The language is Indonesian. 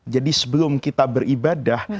jadi sebelum kita beribadah